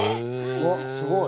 うわっすごい！